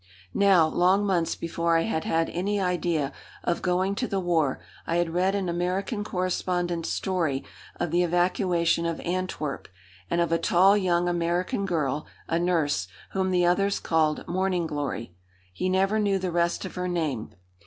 Now, long months before I had had any idea of going to the war I had read an American correspondent's story of the evacuation of Antwerp, and of a tall young American girl, a nurse, whom the others called Morning Glory. He never knew the rest of her name.